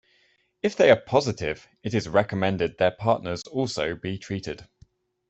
If they are positive, it is recommend their partners also be treated.